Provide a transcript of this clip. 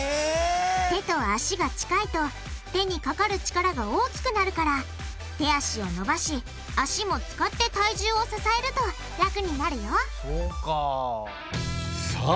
手と足が近いと手にかかる力が大きくなるから手足を伸ばし足も使って体重を支えると楽になるよそうか。